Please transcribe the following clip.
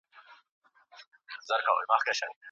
اسلام د عبادت ځایونو خوندیتوب تضمینوي.